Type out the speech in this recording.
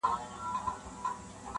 o ځکه لا هم پاته څو تڼۍ پر ګرېوانه لرم,